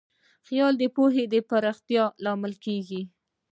خیال د پوهې د پراختیا لامل کېږي.